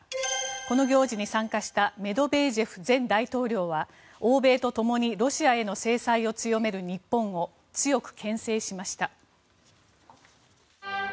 この行事に参加したメドベージェフ前大統領は欧米とともにロシアへの制裁を強める日本を強くけん制しました。